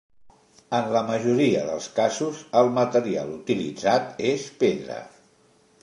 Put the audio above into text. En la majoria dels casos, el material utilitzat és pedra.